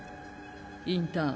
インターン